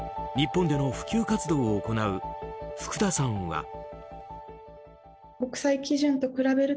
日本での普及活動を行う福田さんは。